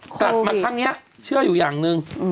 ตัดมาพักเชื่ออยู่อย่างนึง